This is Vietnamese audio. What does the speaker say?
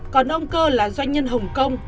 còn ông cơ là doanh nhân hồng kông